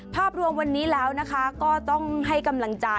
ภาพรวงวันนี้แล้วนะคะ